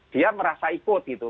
dia merasa ikut gitu